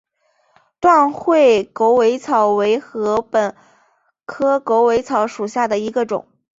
断穗狗尾草为禾本科狗尾草属下的一个种。